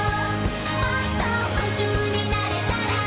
「もっと夢中になれたら」